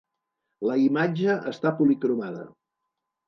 La imatge està policromada.